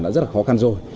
đã rất là khó khăn rồi